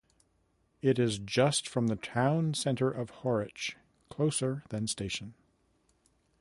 It is just from the town centre of Horwich - closer than station.